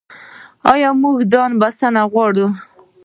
آیا موږ ځان بسیاینه غواړو؟